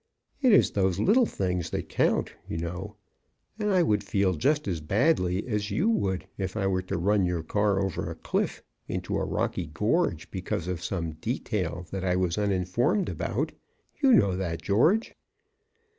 "It is those little things that count, you know, and I would feel just as badly as you would if I were to run your car over a cliff into a rocky gorge because of some detail that I was uninformed about. You know that, George."